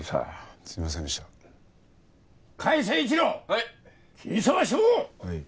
はい。